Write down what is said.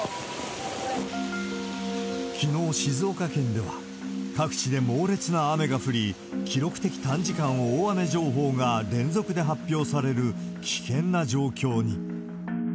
きのう、静岡県では、各地で猛烈な雨が降り、記録的短時間大雨情報が連続で発表される危険な状況に。